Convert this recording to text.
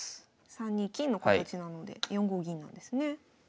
３二金の形なので４五銀なんですね。